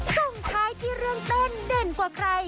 ส่งท้ายที่เรื่องเต้นเด่นกว่าใคร